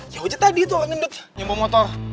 ya ojat tadi itu orang ngedut yang bawa motor